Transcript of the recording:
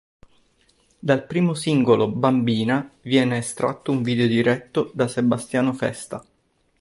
Dal primo singolo, "Bambina", viene estratto un video diretto da Sebastiano Festa.